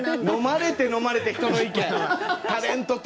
飲まれて飲まれて、人の意見。